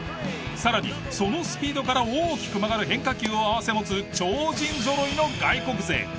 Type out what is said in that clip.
さらにそのスピードから大きく曲がる変化球を併せ持つ超人ぞろいの外国勢。